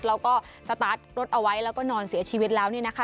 แล้วก็สตาร์ทรถเอาไว้แล้วก็นอนเสียชีวิตแล้วเนี่ยนะคะ